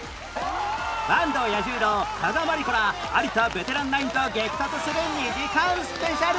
坂東彌十郎加賀まりこら有田ベテランナインと激突する２時間スペシャル！